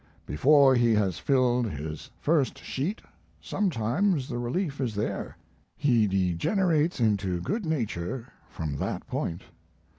Before he has filled his first sheet sometimes the relief is there. He degenerates into good nature from that point.